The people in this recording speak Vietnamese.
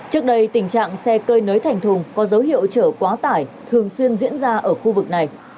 trước đây tình trạng xe cơi nới thành thùng có dấu hiệu chở quá tải thường xuyên diễn ra ở khu vực này